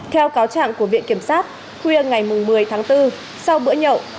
theo cáo trạng của viện kiểm sát khuya ngày một mươi tháng bốn sau bữa nhậu